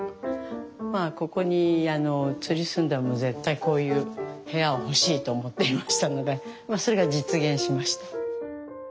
ここに移り住んだらもう絶対こういう部屋が欲しいと思っていましたのでそれが実現しました。